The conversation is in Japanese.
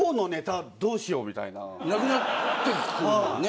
なくなってくるもんね。